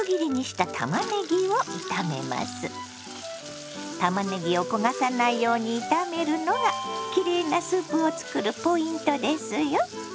たまねぎを焦がさないように炒めるのがきれいなスープを作るポイントですよ。